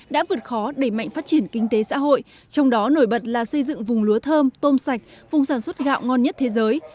đã vượt khó đẩy mạnh phát triển kinh tế xã hội trong đó nổi bật là xây dựng vùng lúa thơm tôm sạch vùng sản xuất gạo ngon nhất thế giới